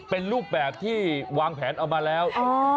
เป็นรูปแบบที่วางแผนเอามาแล้ว